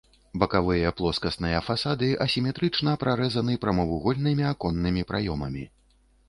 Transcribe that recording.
Бакавыя плоскасныя фасады асіметрычна прарэзаны прамавугольнымі аконнымі праёмамі.